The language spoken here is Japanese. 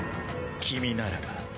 君ならば。